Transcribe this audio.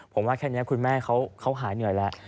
ผมว่าแค่นี้คุณแม่เขาหายเหนื่อยแล้ว